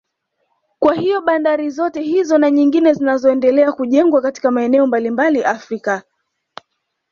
Kwa hiyo bandari zote hizo na nyingine zinazoendelea kujengwa katika maeneo mbalimbali Afrika